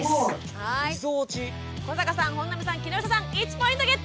古坂さん本並さん木下さん１ポイントゲット！